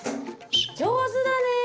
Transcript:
上手だね。